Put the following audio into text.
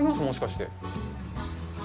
もしかして。